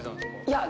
いや。